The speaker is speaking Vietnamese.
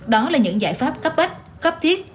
đó là những giải pháp cấp bách cấp thiết